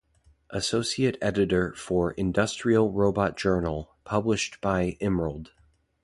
Associate Editor for 'Industrial Robot Journal' published by Emerald.